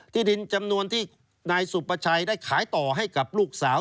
ที่ดินจำนวนที่นายสุประชัยได้ขายต่อให้กับลูกสาว